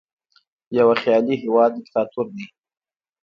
یوه خیالي هیواد دیکتاتور دی.